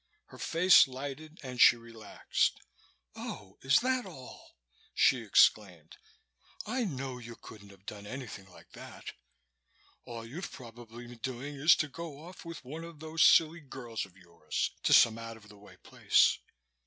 Her face lighted and she relaxed. "Oh, is that all?" she exclaimed. "I know you couldn't have done anything like that. All you've probably been doing is to go off with one of those silly girls of yours to some out of the way place.